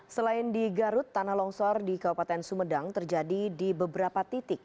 selain di garut tanah longsor di kabupaten sumedang terjadi di beberapa titik